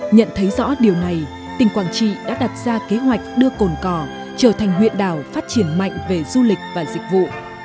nhận thấy rõ điều này tỉnh quảng trị đã đặt ra kế hoạch đưa cồn cỏ trở thành huyện đảo phát triển mạnh về du lịch và dịch vụ